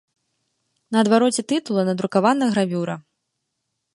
На адвароце тытула надрукавана гравюра.